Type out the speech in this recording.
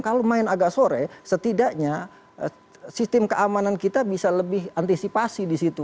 kalau main agak sore setidaknya sistem keamanan kita bisa lebih antisipasi di situ